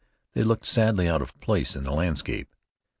They looked sadly out of place in that landscape.